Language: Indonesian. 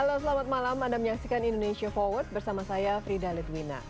halo selamat malam anda menyaksikan indonesia forward bersama saya frida litwina